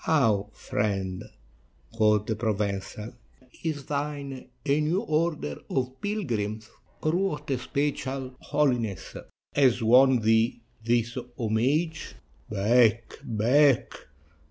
"How, friend," quoth the Provencal, "is thine a new order of pilgrims, or what especial holiness has won thee this homage?" "Back, back!"